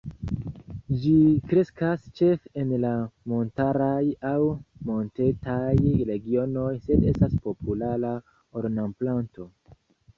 Ĝi kreskas ĉefe en la montaraj aŭ montetaj regionoj, sed estas populara ornamplanto.